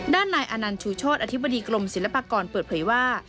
นายอนันต์ชูโชธอธิบดีกรมศิลปากรเปิดเผยว่า